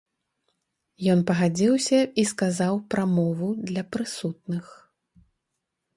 Ён пагадзіўся і сказаў прамову для прысутных.